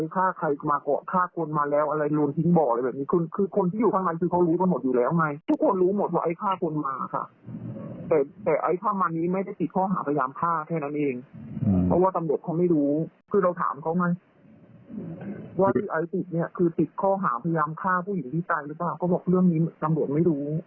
พ่อหาพยายามฆ่าผู้หญิงที่ตายหรือเปล่าก็บอกเรื่องนี้สำรวจไม่รู้